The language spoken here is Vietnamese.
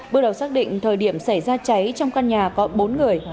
bước đầu xác định thời điểm xảy ra cháy trong căn nhà có bốn người